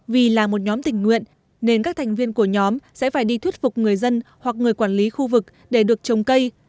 vì là một nhóm tình nguyện nên các thành viên của nhóm sẽ phải đi thuyết phục người dân hoặc người quản lý khu vực để được trồng cây